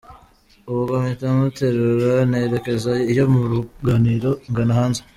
Ubwo mpita muterura, nerekeza iyo mu ruganiriro ngana hanze.